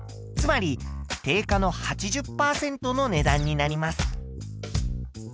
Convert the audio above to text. つまり定価の８０％の値段になります。